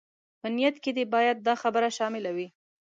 په نيت کې دې بايد دا خبره شامله وي.